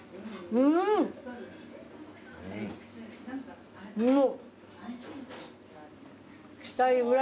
うんうん。